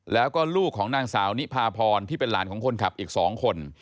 แล้วก็ลูกของนางสาวนิพาพรที่เป็นหลานของคนขับอีก๒คน